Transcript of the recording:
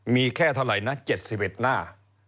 มีแค่เท่าไหร่นะ